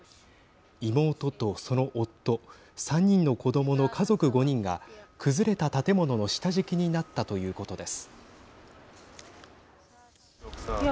妹とその夫３人の子どもの家族５人が崩れた建物の下敷きになったということです。